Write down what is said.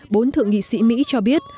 bốn thượng nghị sĩ mỹ cho biết